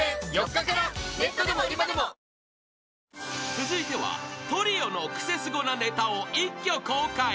［続いてはトリオのクセスゴなネタを一挙公開］